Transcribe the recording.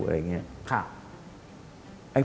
อะไรอย่างนี้